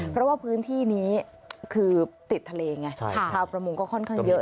เพราะว่าพื้นที่นี้คือติดทะเลไงชาวประมงก็ค่อนข้างเยอะ